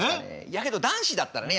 だけど男子だったらね